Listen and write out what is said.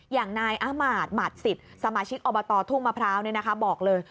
อย่างนายอามาตย์หมาดสิทธิ์สมาชิกอบตทุ่งมะพร้าวบอกเลย